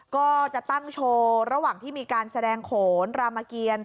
ก็จะตั้งโชว์ระหว่างที่มีการแสดงโขนรามเกียร